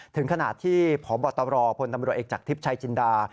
ถึงขณะที่พบตรพลตำรวจเอกจากทิพย์ชายจินดา